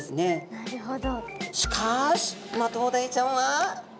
なるほど。